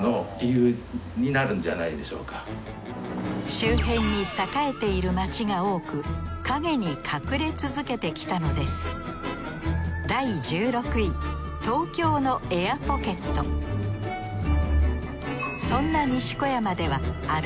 周辺に栄えている街が多く陰に隠れ続けてきたのですそんな西小山ではある